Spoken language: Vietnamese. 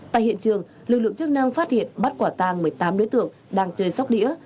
tại hiện trường lực lượng chức năng phát hiện bắt quả tang một mươi tám đối tượng đang chơi sóc đĩa